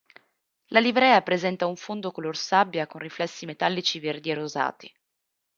La livrea presenta un fondo color sabbia con riflessi metallici verdi e rosati.